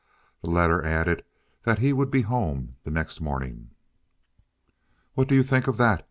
The letter added that he would be home the next morning. "What do you think of that?"